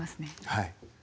はい。